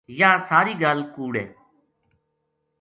یاہ ساری گل کوڑ ہے